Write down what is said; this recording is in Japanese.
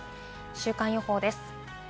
週間予報です。